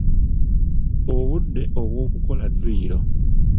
Obudde obw’okukola dduyiro.